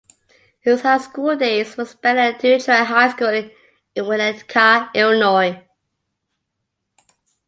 His high school days were spent at New Trier High School in Winnetka, Illinois.